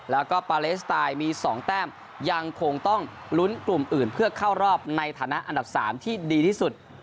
แล้วก็ปาเลสไตล์มี๒แต้มยังคงต้องลุ้นกลุ่มอื่นเพื่อเข้ารอบในฐานะอันดับ๓ที่ดีที่สุด